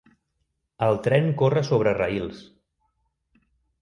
El tren corre sobre raïls.